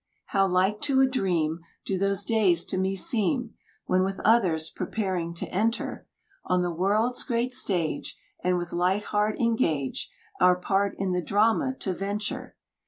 How like to a dream Do those days to me seem, When with others preparing to enter On the world's great stage, And with light heart engage Our part in the drama to venture.